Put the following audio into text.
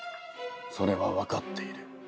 それは分かっている。